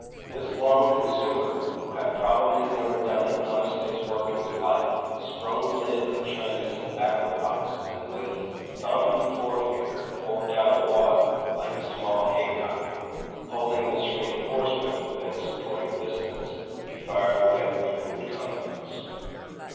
This long consumer, who had probably never done an honest day's work in his life, sprung the lid of a Chinese tobacco box and with thumb and forefinger forked out a wad like a small haycock. Holding this reinforcement within supporting distance he fired away with renewed confidence.